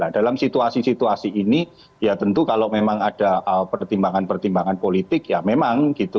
dalam situasi situasi ini ya tentu kalau memang ada pertimbangan pertimbangan politik ya memang gitu